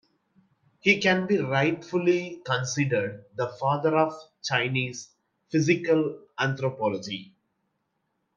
He can be rightfully considered the father of Chinese physical anthropology.